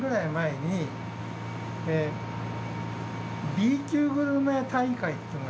Ｂ級グルメ大会っていうのが。